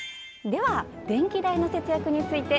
では、電気代の節約について。